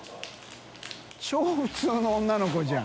普通の女の子じゃん。